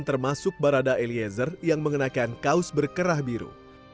termasuk barada eliezer yang mengenakan kaos berkerah biru